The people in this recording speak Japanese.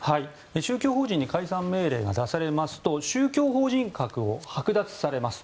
宗教法人に解散命令が出されますと宗教法人格をはく奪されます。